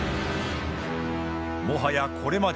もはやこれまで。